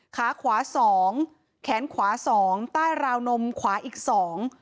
ขาขวาสองแขนขวาสองใต้ราวนมขวาอีกสอง